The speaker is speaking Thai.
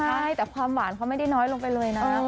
ใช่แต่ความหวานเขาไม่ได้น้อยลงไปเลยนะ